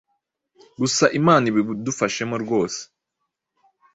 Gusa Imana ibidufashemo rwose